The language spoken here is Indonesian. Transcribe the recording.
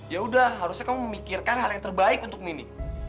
ya udah harusnya kamu memikirkan hal yang terbaik untuk nini